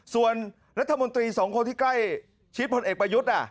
ส่วนรัฐมนตรีสองคนที่ใกล้ชิดพลเอกประยุทธ์